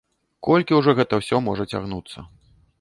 Колькі ўжо гэта ўсё можа цягнуцца?